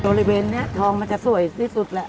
บริเวณนี้ทองมันจะสวยที่สุดแหละ